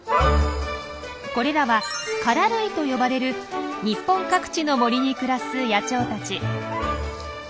これらは「カラ類」と呼ばれる日本各地の森に暮らす野鳥たち。